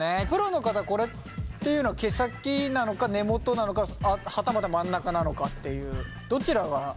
プロの方これっていうのは毛先なのか根元なのかはたまた真ん中なのかっていうどちらが？